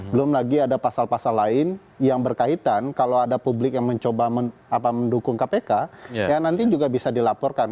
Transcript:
belum lagi ada pasal pasal lain yang berkaitan kalau ada publik yang mencoba mendukung kpk ya nanti juga bisa dilaporkan